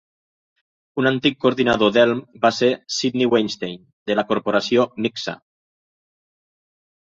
Un antic coordinador d'Elm va ser Sydney Weinstein de la corporació Myxa.